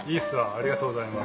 ありがとうございます。